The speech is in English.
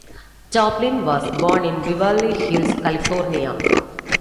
Chaplin was born in Beverly Hills, California.